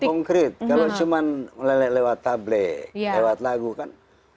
yang konkret kalau cuma lewat tablet lewat lagu kan